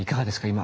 今。